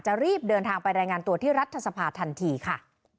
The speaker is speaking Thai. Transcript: รีบเดินทางไปรายงานตัวที่รัฐสภาทันทีค่ะ